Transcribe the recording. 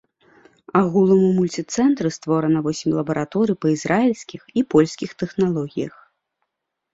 Агулам у мульціцэнтры створана восем лабараторый па ізраільскіх і польскіх тэхналогіях.